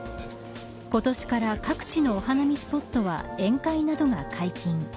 今年から各地のお花見スポットは宴会などが解禁。